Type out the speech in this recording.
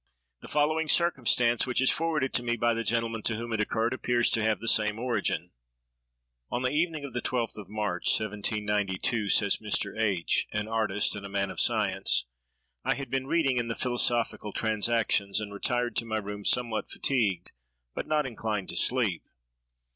The following circumstance, which is forwarded to me by the gentleman to whom it occurred, appears to have the same origin:— "On the evening of the 12th of March, 1792," says Mr. H——, an artist, and a man of science, "I had been reading in the 'Philosophical Transactions,' and retired to my room somewhat fatigued, but not inclined to sleep.